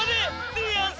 でやんす。